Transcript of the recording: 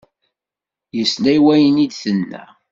Yesla i wayen i d-tenna.